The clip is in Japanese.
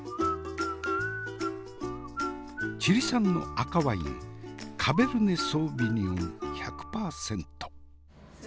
チリ産の赤ワインカベルネソーヴィニヨン１００％。